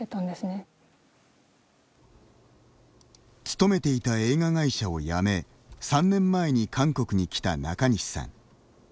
勤めていた映画会社を辞め３年前に韓国に来た中西さん。